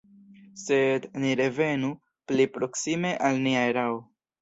Sed ni revenu pli proksime al nia erao.